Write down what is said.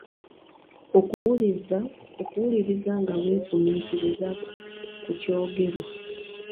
Okuwuliriza nga weefumiitiriza ku kyogerwa.